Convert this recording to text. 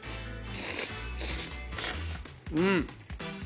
うん！